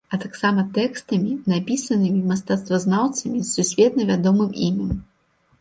А таксама тэкстамі, напісанымі мастацтвазнаўцамі з сусветна вядомым імем.